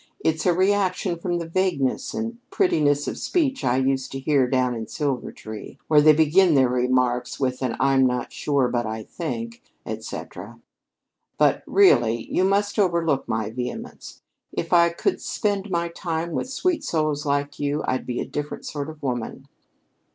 It's a reaction from the vagueness and prettiness of speech I used to hear down in Silvertree, where they begin their remarks with an 'I'm not sure, but I think,' et cetera. But, really, you must overlook my vehemence. If I could spend my time with sweet souls like you, I'd be a different sort of woman."